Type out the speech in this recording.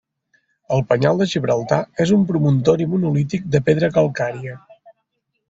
El penyal de Gibraltar és un promontori monolític de pedra calcària.